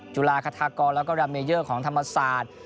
จุฬาคทากรแล้วก็แรมเมเยอร์ของธรรมศาสตร์